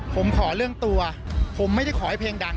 ผมขอเรื่องตัวผมไม่ได้ขอให้เพลงดัง